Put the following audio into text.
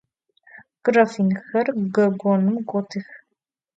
Grafinxer gogonım gotıx.